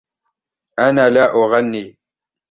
أنا لا أغني.